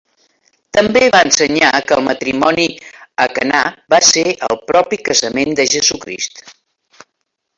També va ensenyar que el matrimoni a Canà va ser el propi casament de Jesucrist.